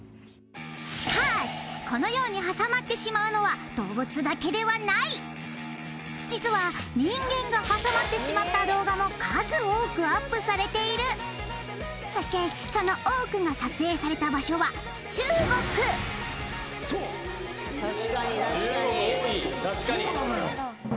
しかしこのように挟まってしまうのは動物だけではない実は人間が挟まってしまった動画も数多くアップされているそしてその多くが撮影された場所は確かにそうなのよ